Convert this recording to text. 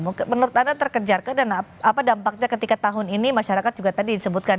menurut anda terkejarkah dan apa dampaknya ketika tahun ini masyarakat juga tadi disebutkan